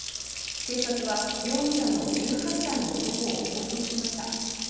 警察は容疑者の１８歳の男を拘束しました。